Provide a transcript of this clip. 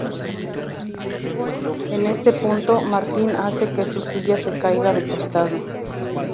En este punto, Martin hace que su silla se caiga de costado.